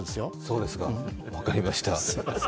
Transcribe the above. そうですか、分かりました。